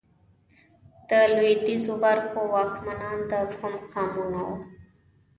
د لوېدیځو برخو واکمنان د کوم قامونه وو؟